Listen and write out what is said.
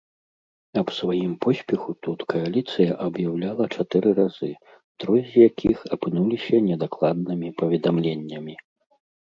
Аб сваім поспеху тут кааліцыя аб'яўляла чатыры разы, трое з якіх апынуліся недакладнымі паведамленнямі.